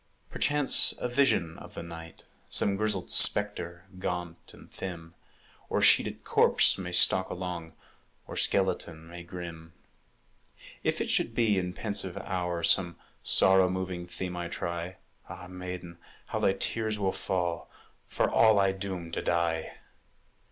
Perchance a vision of the night, Some grizzled spectre, gaunt and thin, Or sheeted corpse, may stalk along, Or skeleton may grin. If it should be in pensive hour Some sorrow moving theme I try, Ah, maiden, how thy tears will fall, For all I doom to die!